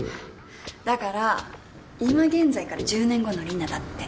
だから今現在から１０年後の里奈だって。